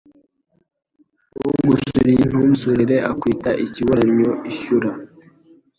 Ugusuriye ntumusurire akwita ikiburannyo ishyura